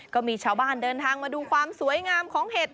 ก็มีชาวบ้านเดินทางมาดูความสวยงามของเห็ด